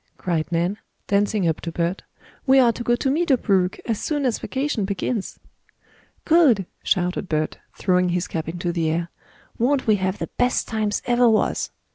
cried Nan, dancing up to Bert. "We are to go to Meadow Brook as soon as vacation begins!" "Good!" shouted Bert, throwing his cap into the air. "Won't we have the best times ever was!"